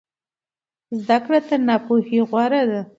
زده کړه تر ناپوهۍ غوره ده.